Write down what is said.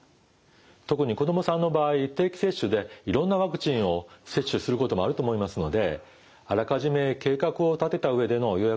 特に子どもさんの場合定期接種でいろんなワクチンを接種することもあると思いますのであらかじめ計画を立てた上での予約が必要になります。